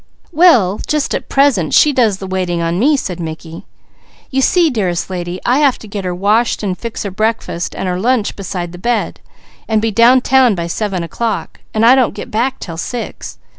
"Well just at present, she does the waiting on me," said Mickey. "You see, dearest lady, I have to get her washed and fix her breakfast and her lunch beside the bed, and be downtown by seven o'clock, and I don't get back 'til six.